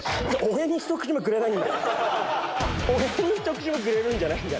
俺に１口目くれるんじゃないんだ。